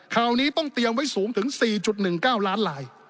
คราวนี้ต้องเตรียมไว้สูงถึง๔๑๙ล้านลาย